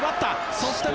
そして前！